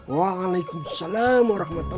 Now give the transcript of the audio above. waalaikumsalam warahmatullahi wabarakatuh